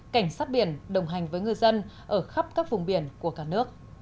cảnh sát biển đồng hành với ngư dân ở khắp các vùng biển của cả nước